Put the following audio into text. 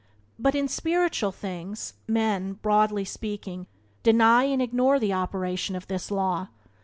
But in spiritual things men, broadly speaking, deny and ignore the operation of this law.